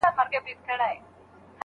انعکلس ورکوي.